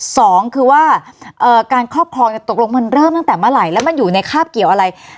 สองคือว่าการครอบครองตกลงมันเริ่มตั้งแต่เมื่อไหร่แล้วมันอยู่ในคาบเกี่ยวอะไร